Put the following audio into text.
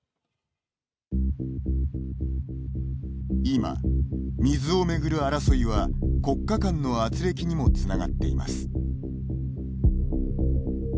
今、水を巡る争いは、国家間のあつれきにもつながっています。